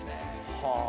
はあ。